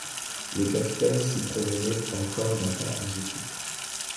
Le capitaine s’y promenait encore d’un pas agité.